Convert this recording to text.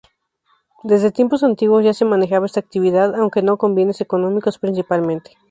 Desde tiempos antiguos ya se manejaba esta actividad, aunque no con bienes económicos principalmente.